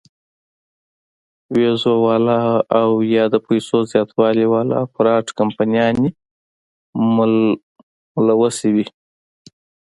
وېزو واله او يا د پېسو زياتولو واله فراډ کمپنيانې ملوثې وي -